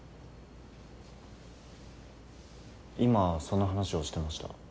今その話をしてました。